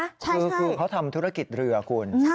คือเขาทำธุรกิจเรือคุณ